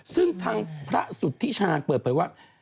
ซึ่งทางพระสุทธิชาญเปิดเผยว่า